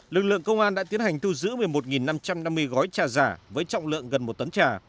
lực lượng công an đã tiến hành thu giữ một mươi một năm trăm năm mươi gói trà giả với trọng lượng gần một tấn trà